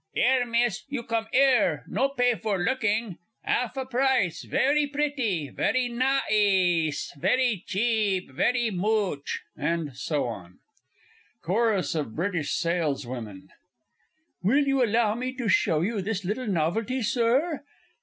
'Ere Miss! you com' 'ere! No pay for lookin'. Alf a price! Verri pritti, verri nah ice, verri cheap verri moch! [And so on.] CHORUS OF BRITISH SALESWOMEN. Will you allow me to show you this little novelty, Sir?